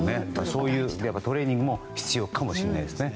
そういうトレーニングも必要かもしれないですね。